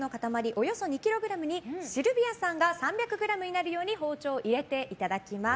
およそ２ｋｇにシルビアさんが３００ｇになるように包丁を入れていただきます。